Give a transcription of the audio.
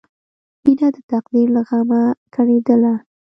مینه د تقدیر له غمه کړېدله